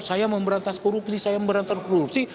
saya memberantas korupsi saya memberantas korupsi